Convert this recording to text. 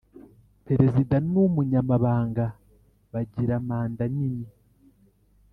perezida n umunyamabanga Bagira mandanini